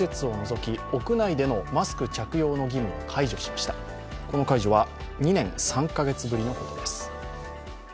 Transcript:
この解除は２年３か月ぶりのことです。